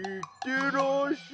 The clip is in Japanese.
よし！